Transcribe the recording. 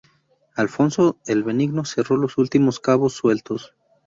Alfonso el Benigno cerró los últimos cabos sueltos.